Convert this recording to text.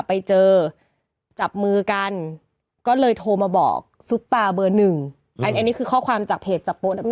ไปเจอจับมือกันก็เลยโทรมาบอกซุปตาเบอร์หนึ่งอันนี้คือข้อความจากเพจจับโป๊อบ